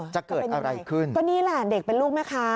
จะเกิดอะไรขึ้นก็นี่ล่ะเด็กเป็นลูกมั้ยคะ